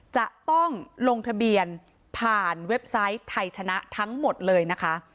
จะต้องลงทะเบียนผ่านเว็บไซต์ไทยชนะทั้งหมดเลยนะคะ